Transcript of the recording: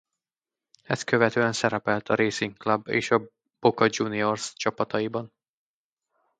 Ezt követően szerepelt a Racing Club és a Boca Juniors csapataiban.